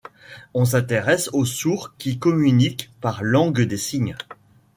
On s’intéresse aux Sourds qui communiquent par langues des signes.